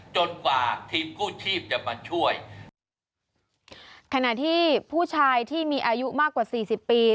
กว่าทีมกู้ชีพจะมาช่วยขณะที่ผู้ชายที่มีอายุมากกว่าสี่สิบปี